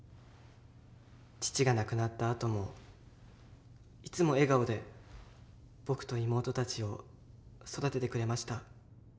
父が亡くなったあともいつも笑顔で僕と妹たちを育ててくれました。